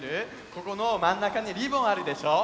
ここのまんなかにリボンあるでしょう？